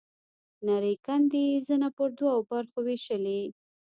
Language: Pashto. نرۍ کندې يې زنه په دوو برخو وېشلې.